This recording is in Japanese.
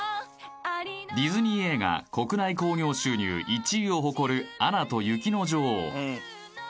ディズニー映画国内興行収入１位を誇る「アナと雪の女王」